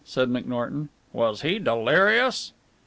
said McNorton. "Was he delirious?"